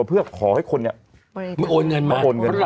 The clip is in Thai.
เพื่อขอให้คนเนี่ยโอนเงินมา